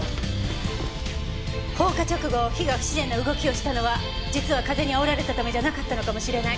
放火直後火が不自然な動きをしたのは実は風に煽られたためじゃなかったのかもしれない。